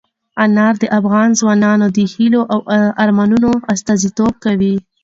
انار د افغان ځوانانو د هیلو او ارمانونو استازیتوب کوي.